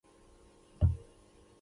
ایا ستاسو وسلې به ماتې شي؟